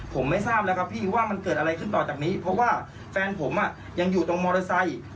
ผมไม่ทราบแล้วครับพี่ว่ามันเกิดอะไรขึ้นต่อจากนี้เพราะว่าแฟนผมอ่ะยังอยู่ตรงมอเตอร์ไซค์